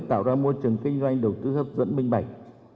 tạo ra môi trường kinh doanh đầu tư hấp dẫn minh bạch